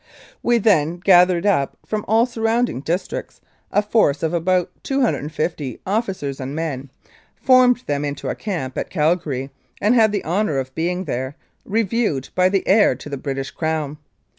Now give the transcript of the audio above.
We then gathered up, from all surrounding districts, a force of about 250 officers and men, formed them into a camp at Calgary, and had the honour of being there reviewed by the Heir to the British Crown.